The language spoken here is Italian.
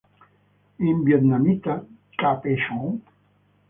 In vietnamita "ca-pe-chon".